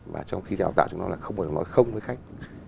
và trong khi đào tạo chúng tôi là không có nói không với khách